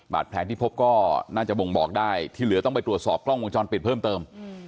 แผลที่พบก็น่าจะบ่งบอกได้ที่เหลือต้องไปตรวจสอบกล้องวงจรปิดเพิ่มเติม